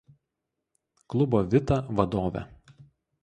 Klubo Vita vadovė.